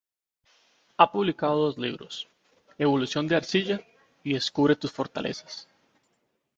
Ha publicado dos libros: "Evolución en Arcilla" y "Descubre tus Fortalezas".